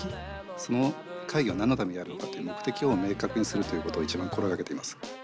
その会議はなんのためにあるのかっていう目的を明確にするということをいちばん心がけています。